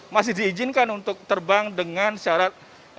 masih diizinkan untuk terbang dengan syarat